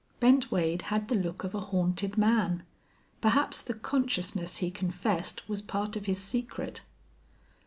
Bent Wade had the look of a haunted man. Perhaps the consciousness he confessed was part of his secret.